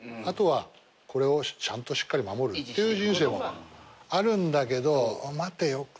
あとはこれをしっかり守るっていう人生もあるんだけど待てよ。